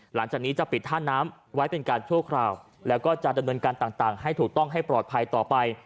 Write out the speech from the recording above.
หลังจากนี้จะปิดท่าน้ำไว้เป็นการชั่วคราวแล้วก็จะดำเนินการต่างให้ถูกต้องให้ปลอดภัยต่อไป